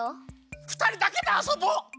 ふたりだけであそぼう！